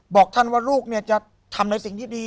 บอกท่านว่าลูกเนี่ยจะทำอะไรสิ่งที่ดี